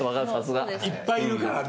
いっぱいいるからね。